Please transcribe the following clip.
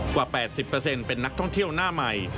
กว่า๘๐เป็นนักท่องเที่ยวหน้าใหม่